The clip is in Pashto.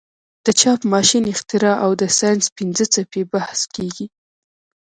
د چاپ ماشین اختراع او د ساینس پنځه څپې بحث کیږي.